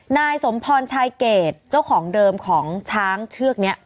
นายสมพรชายเกรดเจ้าของเดิมของช้างเชือกนี้